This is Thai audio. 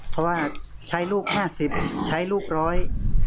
เพราะว่าใช้ลูก๕๐กิโลกรัมใช้ลูก๑๐๐กิโลกรัม